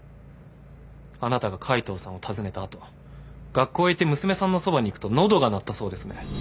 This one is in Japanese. あなたが海藤さんを訪ねた後学校へ行って娘さんのそばに行くと喉が鳴ったそうですね。